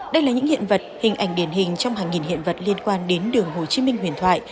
đây là những hiện vật hình ảnh điển hình trong hàng nghìn hiện vật liên quan đến đường hồ chí minh huyền thoại